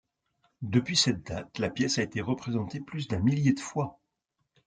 Depuis cette date, la pièce a été représentée plus d'un millier de fois.